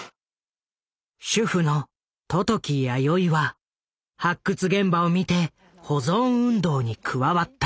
主婦の十時やよいは発掘現場を見て保存運動に加わった。